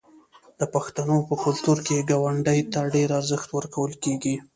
د پښتنو په کلتور کې ګاونډي ته ډیر ارزښت ورکول کیږي.